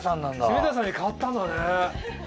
住田さんに変わったんだね。